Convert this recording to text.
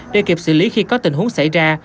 để kịp xử lý khi có tình huống xảy ra